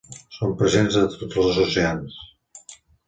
Són presents a tots els oceans.